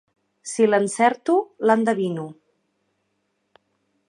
Si l'encerto, l'endevino.